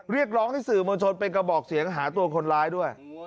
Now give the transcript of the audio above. เรียกร้องให้สื่อมวลชนเป็นกระบอกเสียงหาตัวคนร้ายด้วย